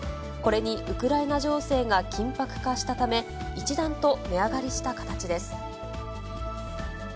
これにウクライナ情勢が緊迫化したため、一段と値上がりした形です。